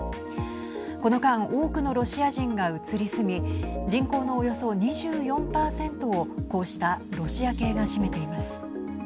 この間多くのロシア人が移り住み人口のおよそ２４％をこうしたロシア系が占めています。